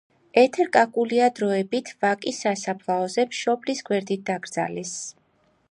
ეთერ კაკულია დროებით, ვაკის სასაფლაოზე, მშობლების გვერდით დაკრძალეს.